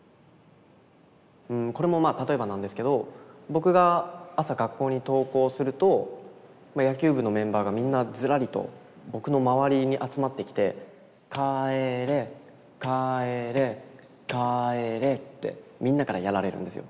うんこれもまあ例えばなんですけど僕が朝学校に登校するとまあ野球部のメンバーがみんなずらりと僕の周りに集まってきて「帰れ帰れ帰れ」ってみんなからやられるんですよ。